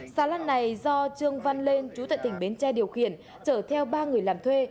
xà lan này do trương văn lên chú tại tỉnh bến tre điều khiển chở theo ba người làm thuê